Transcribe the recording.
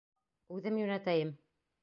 Үҙем йүнәтәйем.